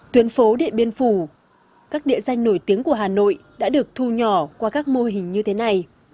tuyến phố điện biên phủ các địa danh nổi tiếng của hà nội đã được thu nhỏ qua các mô hình như thế này